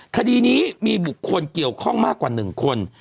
คดีนี้มีบุคคลเกี่ยวข้องมากกว่า๑คน